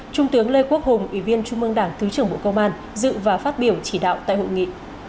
trung tướng lê quốc hùng ủy viên trung mương đảng thứ trưởng bộ công an dự và phát biểu chỉ đạo tại hội nghị